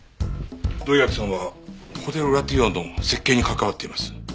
土居垣さんはホテルラティオーの設計に関わっています。